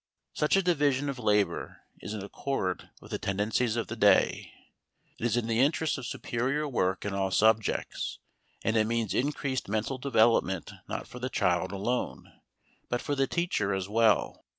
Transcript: Such a division of labor is in accord with the tendencies of the day; it is in the interests of superior work in all subjects; and it means increased mental development not for the child alone, but for the teacher as well.